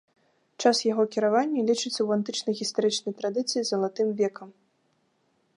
Час яго кіравання лічыцца ў антычнай гістарычнай традыцыі залатым векам.